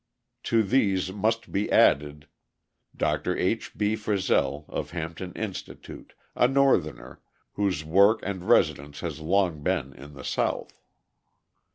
To these must be added: Dr. H. B. Frissell, of Hampton Institute, a Northerner, whose work and residence has long been in the South.